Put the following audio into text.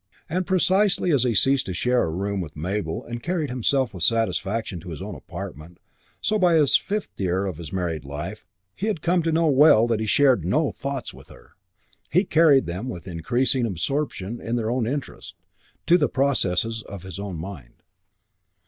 And precisely as he ceased to share a room with Mabel and carried himself with satisfaction to his own apartment, so, by this fifth year of his married life, he had come to know well that he shared no thoughts with her: he carried them, with increasing absorption in their interest, to the processes of his own mind.